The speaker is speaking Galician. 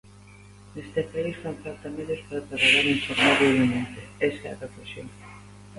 Neste país fan falta medios para traballar e informar libremente, esa é a reflexión.